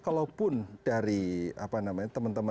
kalau pun dari teman teman